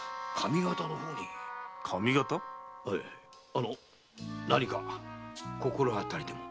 あの何か心当たりでも？